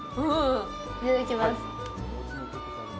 いただきます。